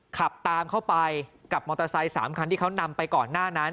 ขับตามเข้าไปกับมอเตอร์ไซค์๓คันที่เขานำไปก่อนหน้านั้น